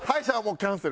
キャンセル？